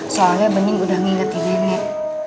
soalnya bening udah ngingetin nenek